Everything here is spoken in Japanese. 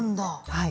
はい。